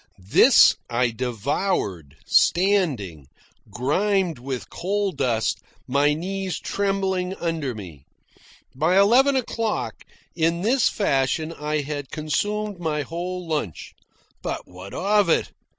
This I devoured, standing, grimed with coal dust, my knees trembling under me. By eleven o'clock, in this fashion I had consumed my whole lunch. But what of it?